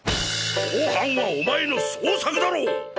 後半はお前の創作だろ？